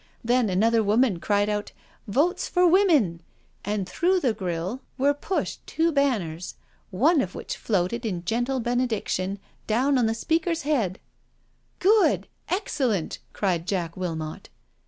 Then another woman cried out ' Votes for Women,' and through the grille were pushed two banners, one of which floated in gentle benediction down on the Speaker's head/' " Good— excellent I " cried Jack Wilmot.